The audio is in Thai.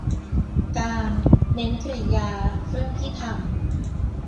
- การ เน้นกริยา เรื่องที่ทำ